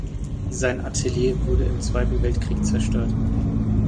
Sein Atelier wurde im Zweiten Weltkrieg zerstört.